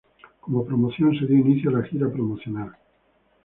Como promoción se dio inicio a la gira promocional.